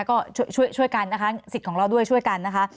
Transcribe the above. ก็ช่วยกันนะคะสิทธิ์ของเราด้วยช่วยกันนะคะ